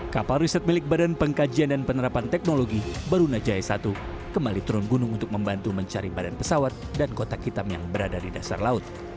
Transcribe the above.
kapal riset milik badan pengkajian dan penerapan teknologi barunajaya satu kembali turun gunung untuk membantu mencari badan pesawat dan kotak hitam yang berada di dasar laut